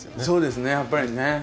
そうですねやっぱりね。